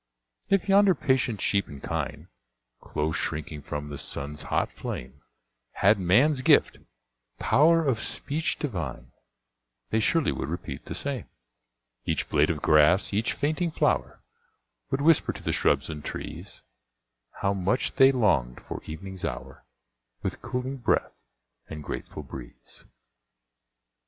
If yonder patient sheep and kine, Close shrinking from the sun's hot flame, Had man's gift "power of speech divine," They surely would repeat the same Each blade of grass, each fainting flower, Would whisper to the shrubs and trees, How much they longed for evening's hour, With cooling breath and grateful breeze.